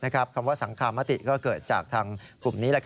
คำว่าสังคมติก็เกิดจากทางกลุ่มนี้